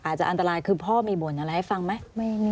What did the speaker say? อาจจะอันตรายคือพ่อมีบ่นอะไรให้ฟังไหม